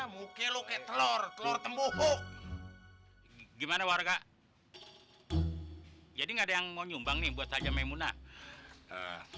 muke loke telor telor tembuhu gimana warga jadi nggak ada yang mau nyumbang nih buat saja memunah